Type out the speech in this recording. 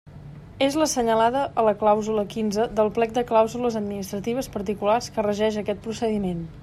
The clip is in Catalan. És l'assenyalada a la clàusula quinze del plec de clàusules administratives particulars que regeix aquest procediment.